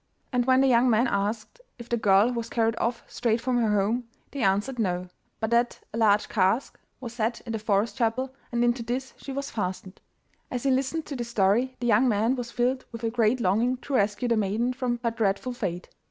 And when the young man asked if the girl was carried off straight from her home, they answered no, but that a large cask was set in the forest chapel, and into this she was fastened. As he listened to this story, the young man was filled with a great longing to rescue the maiden from her dreadful fate.